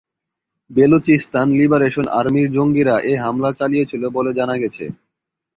Balochistan liberation আর্মির জঙ্গিরা এ হামলা চালিয়েছিল বলে জানা গেছে।